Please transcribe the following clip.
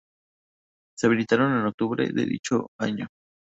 Se habilitaron en octubre de dicho año.